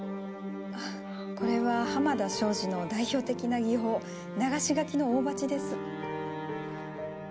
これは濱田庄司の代表的な技法流描の大鉢です。